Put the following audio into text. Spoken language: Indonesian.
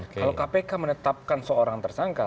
kalau kpk menetapkan seorang tersangka